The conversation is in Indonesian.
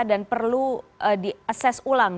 dan perlu di assess ulang